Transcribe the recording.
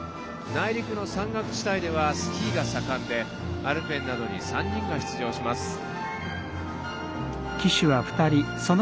内陸の山岳地帯ではスキーが盛んでアルペンなどに３人が出場します。